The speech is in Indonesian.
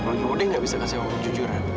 kalau budde gak bisa kasih aku kejujuran